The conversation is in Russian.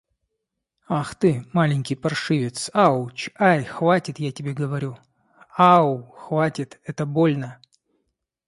Ах ты, маленький паршивец. Ауч! Ай! Хватит, я тебе говорю! Ау! Хватит, это больно!